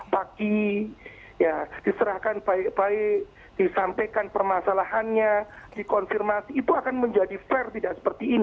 pagi ya diserahkan baik baik disampaikan permasalahannya dikonfirmasi itu akan menjadi faktor yang lebih baik